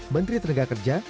menteri ternaga kerja